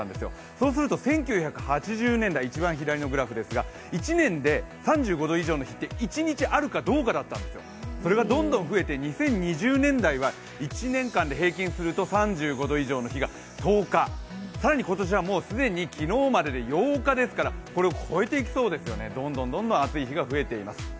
そうすると１９８０年代、一番左のグラフですが、１年で３５度の日って１日あるかどうかだったんですよ、それがどんどん増えて２０２０年代は１年間で平均すると３５度以上の日が１０日、更に今年は、もう既に昨日までで８日ですからこれを超えていきそうですよね、どんどん暑い日が増えています。